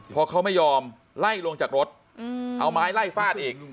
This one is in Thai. พอเขาไม่ยอมไล่ลงจากรถเอาไม้ไล่ฟาดอีก